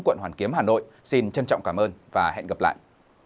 quận hoàn kiếm hà nội xin trân trọng cảm ơn và hẹn gặp lại